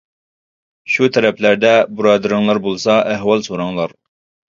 شۇ تەرەپلەردە بۇرادەرلىرىڭلار بولسا ئەھۋال سوراڭلار.